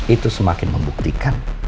itu semakin membuktikan